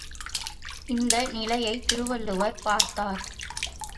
இந்த நிலையைத் திருவள்ளுவர் பார்த்தார்.